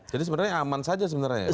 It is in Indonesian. jadi sebenarnya aman saja sebenarnya ya pak